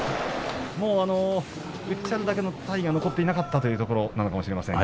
うっちゃるだけの体が残っていなかったところなのかもしれません。